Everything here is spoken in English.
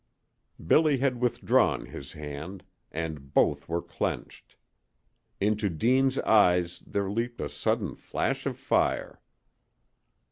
Billy had withdrawn his hand, and both were clenched. Into Deane's eyes there leaped a sudden flash of fire.